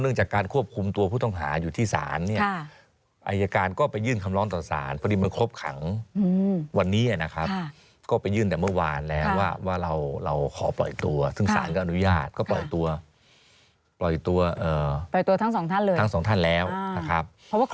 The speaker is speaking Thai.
เรื่องจากการควบคุมตัวผู้ต่างหาอยู่ที่ศรรย์นอายการก็ไปยื่นคำล้อนต่อศรรย์พอวันนี้มันครบขังวันนี้นี่นะครับ